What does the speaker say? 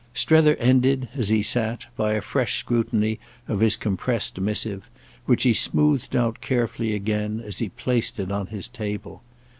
Strether ended, as he sat, by a fresh scrutiny of his compressed missive, which he smoothed out carefully again as he placed it on his table.